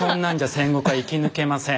戦国は生き抜けません。